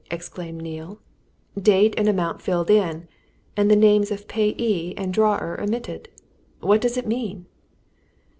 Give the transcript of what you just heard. exclaimed Neale. "Date and amount filled in and the names of payee and drawer omitted! What does it mean?"